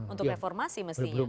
untuk reformasi mestinya kan